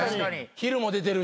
昼も出てるし。